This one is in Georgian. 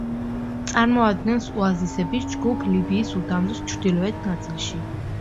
წარმოადგენს ოაზისების ჯგუფს ლიბიის უდაბნოს ჩრდილოეთ ნაწილში.